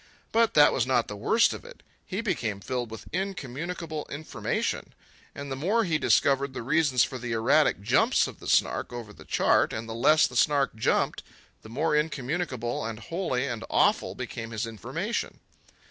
But that was not the worst of it. He became filled with incommunicable information. And the more he discovered the reasons for the erratic jumps of the Snark over the chart, and the less the Snark jumped, the more incommunicable and holy and awful became his information.